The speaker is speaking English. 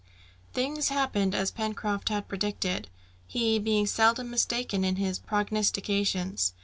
Things happened as Pencroft had predicted, he being seldom mistaken in his prognostications.